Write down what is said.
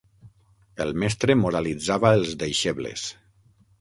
El mestre moralitzava els deixebles.